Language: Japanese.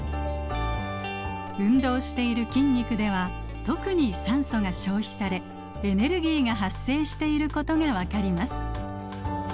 運動している筋肉では特に酸素が消費されエネルギーが発生していることが分かります。